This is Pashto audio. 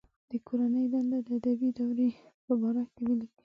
د کورنۍ دنده د ادبي دورې په باره کې ولیکئ.